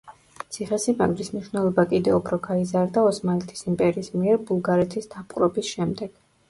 ციხესიმაგრის მნიშვნელობა კიდევ უფრი გაიზარდა ოსმალეთის იმპერიის მიერ ბულგარეთის დაპყრობის შემდეგ.